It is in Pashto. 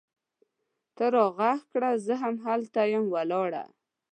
ته را ږغ کړه! زه هم هلته یم ولاړه